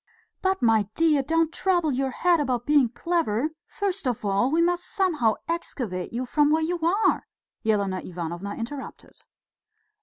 "But, my dear, don't trouble your head about being clever; first of all we must somehow excavate you from where you are," Elena Ivanovna interrupted.